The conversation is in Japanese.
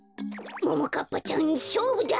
ももかっぱちゃんしょうぶだ！